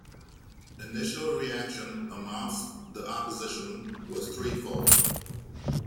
Initial reaction amongst the opposition was three-fold.